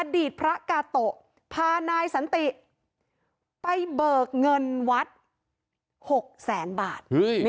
อดีตพระกาโตะพานายสันติไปเบิกเงินวัด๖แสนบาท